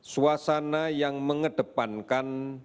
suasana yang mengedepankan